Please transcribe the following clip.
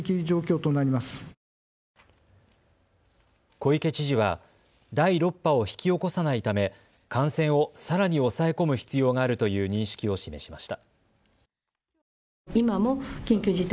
小池知事は第６波を引き起こさないため感染をさらに抑え込む必要があるという認識を示しました。